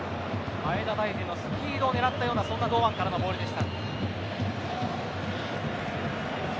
前田大然のスピード狙ったような堂安からのボールでした。